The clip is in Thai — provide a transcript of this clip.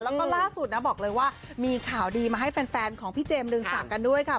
แล้วก็ล่าสุดนะบอกเลยว่ามีข่าวดีมาให้แฟนของพี่เจมสึงศักดิ์กันด้วยค่ะ